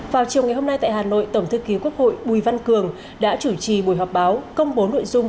vào chiều ngày hôm nay tại hà nội tổng thư ký quốc hội bùi văn cường đã chủ trì buổi họp báo công bố nội dung